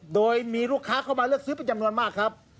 โดยมีลูกค้าเข้ามาเลือกซื้อเป็นจำนวนมากครับ